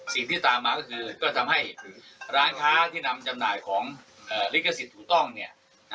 สิ่งที่ตามมาก็คือก็ทำให้ร้านค้าที่นำจำหน่ายของลิขสิทธิ์ถูกต้องเนี่ย